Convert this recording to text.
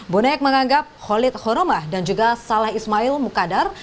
bonek menganggap khalid khoromah dan juga salah ismail mukadar